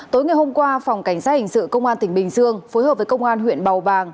tối ngày hôm qua phòng cảnh sát hình sự công an tỉnh bình dương phối hợp với công an huyện bào bàng